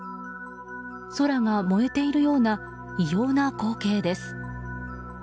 空が燃えているような異様な光景です。